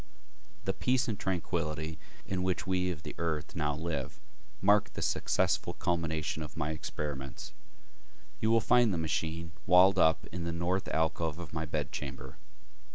The peace and tranquility in which we of the earth now live marked the successful culmination of my experiments. You will find the machine walled up in the North alcove of my bedchamber.